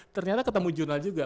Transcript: ternyata ketemu jurnal juga